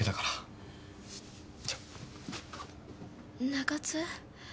中津。